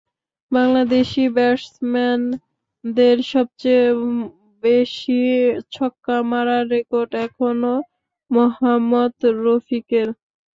বাংলাদেশি ব্যাটসম্যানদের মধ্যে সবচেয়ে বেশি ছক্কা মারার রেকর্ড এখনো মোহাম্মদ রফিকের।